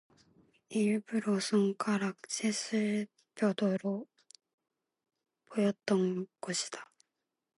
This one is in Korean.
일부러 손가락 셋을 펴들어 보였던 것이다.